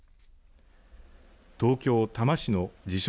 東京、多摩市の自称